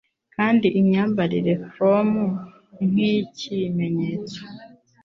Kandi imyambarire ya prom nk'ikimenyetso